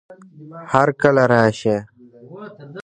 هر کله راشئ